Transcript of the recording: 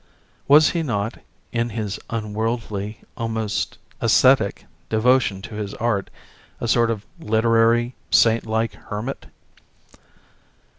Was he not, in his unworldly, almost ascetic, devotion to his art a sort of literary, saint like hermit?